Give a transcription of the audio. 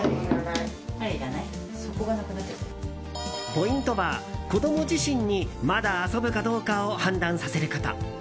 ポイントは子供自身に、まだ遊ぶかどうかを判断させること。